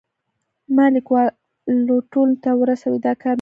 ما لیکوالو ټولنې ته ورسوی، دا کار مې کاوه.